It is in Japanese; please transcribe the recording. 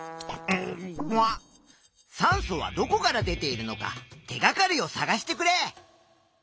酸素はどこから出ているのか手がかりをさがしてくれ！